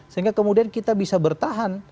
sehingga kemudian kita bisa bertahan